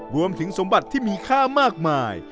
รวมถึงสมบัติที่มีค่ามากมาย